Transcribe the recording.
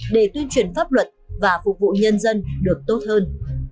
để tuyên truyền pháp luật và phục vụ nhân dân được tốt hơn